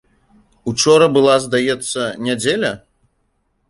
Учора была, здаецца, нядзеля?